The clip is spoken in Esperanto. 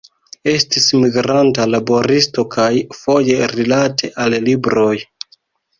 Estis migranta laboristo kaj foje rilate al libroj.